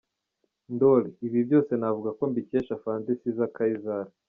Ndoli: Ibi byose navuga ko mbikesha Afande Ceaser Kayizari.